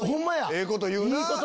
ええこと言うな！